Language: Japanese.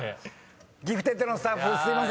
『ギフテッド』のスタッフすいません！